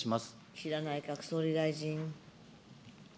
岸田内閣総理大臣。